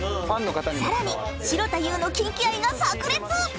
［さらに城田優のキンキ愛が炸裂！］